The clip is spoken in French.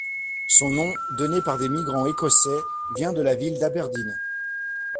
Son nom, donné par des migrants écossais, vient de la ville d'Aberdeen.